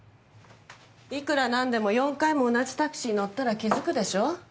いくらなんでも４回も同じタクシーに乗ったら気づくでしょう？